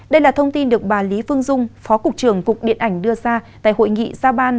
đây là thông tin được bà lý phương dung phó cục trưởng cục điện ảnh đưa ra tại hội nghị giao ban